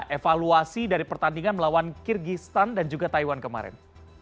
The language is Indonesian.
evaluasi dari pertandingan melawan kyrgyzstan dan juga taiwan kemarin